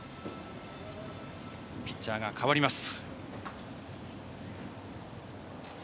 ピッチャーが代わります。